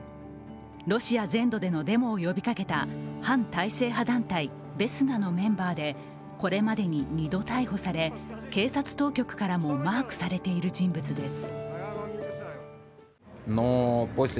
ロシア全土でのデモを呼びかけた反体制派団体ベスナのメンバーでこれまでに２度逮捕され、警察当局からもマークされている人物です。